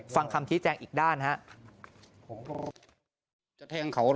ฟังคำที่แจ้งอีกด้านฮะ